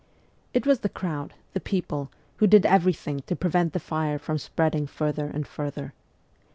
It was the crowd, the people, who did everything to prevent the fire from spreading further and further.